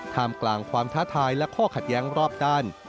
มกลางความท้าทายและข้อขัดแย้งรอบด้าน